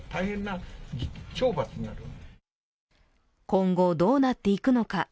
今後、どうなっていくのか。